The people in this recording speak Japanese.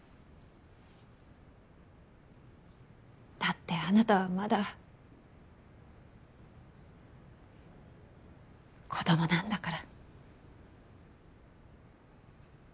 だってあなたはまだ子どもなんだから。